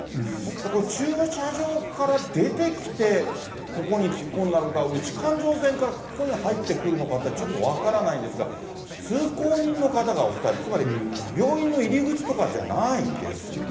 これ、駐車場から出てきて、ここに突っ込んだのか、内環状線からここに入ってくるのかって、ちょっと分からないんですが、通行人の方がお２人、つまり、病院の入り口とかじゃないですよね。